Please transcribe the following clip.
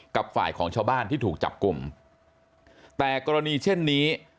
กับฝ่ายของชาวบ้านที่ถูกจับกลุ่มแต่กรณีเช่นนี้